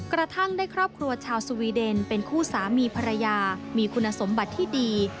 กระทั่งได้ครอบครัวชาวสวีเดนเป็นคู่สามีภรรยามีคุณสมบัติที่ดี